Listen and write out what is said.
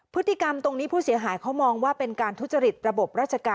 ใน๑๒มิถุนายนที่ผ่านมาค่ะ